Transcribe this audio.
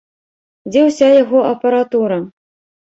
Дзе ўся яго апаратура?